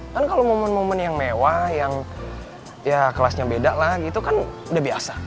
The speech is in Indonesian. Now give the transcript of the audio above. kan kalau momen momen yang mewah yang ya kelasnya beda lah gitu kan udah biasa